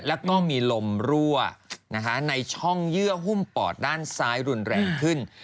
แล้วก็มีลมรั่วในช่องเยื่อหุ้มปอดด้านซ้ายรุนแรงขึ้น